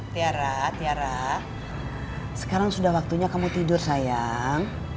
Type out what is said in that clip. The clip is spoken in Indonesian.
tiara tiara sekarang sudah waktunya kamu tidur sayang